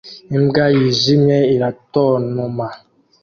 Imbwa yijimye iratontoma